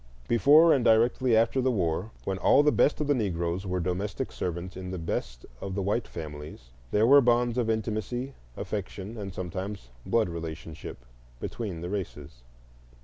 Before and directly after the war, when all the best of the Negroes were domestic servants in the best of the white families, there were bonds of intimacy, affection, and sometimes blood relationship, between the races.